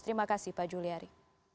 terima kasih pak juliari